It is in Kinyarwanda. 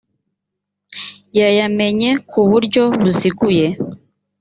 yayamenye ku buryo buziguye